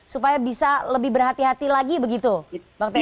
supaya bisa lebih berhati hati lagi begitu bang teguh